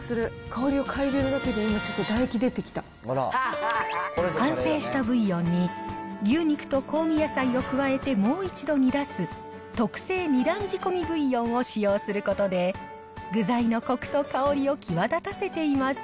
香りを嗅いでいるだけで、今、完成したブイヨンに、牛肉と香味野菜を加えてもう一度煮出す特製二段仕込みブイヨンを使用することで、具材のコクと香りを際立たせています。